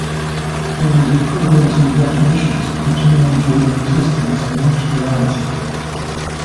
There is equivalence in definitions pertaining to their existence in mixed reality.